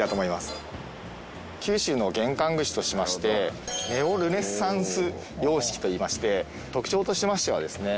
九州の玄関口としましてネオルネサンス様式といいまして特徴としましてはですね